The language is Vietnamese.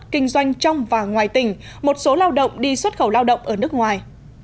kinh doanh trong và ngoài tỉnh một số lao động đi xuất khẩu lao động ở nước ngoài